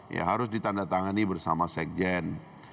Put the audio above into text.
ya harus ditandatangani bersama sekjen